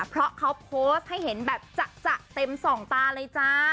เพราะเขาโพสต์ให้เห็นแบบจะเต็มสองตาเลยจ้า